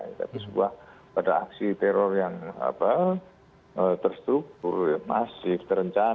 itu sebuah pada aksi teror yang apa terstruktur yang masif terencana